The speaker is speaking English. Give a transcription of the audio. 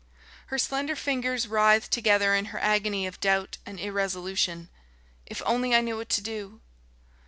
Her slender fingers writhed together in her agony of doubt and irresolution. "If only I knew what to do...."